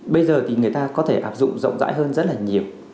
bây giờ thì người ta có thể áp dụng rộng rãi hơn rất là nhiều